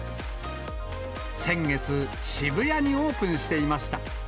先月、渋谷にオープンしていました。